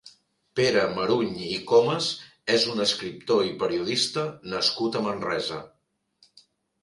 Pere Maruny i Comas és un escriptor i periodista nascut a Manresa.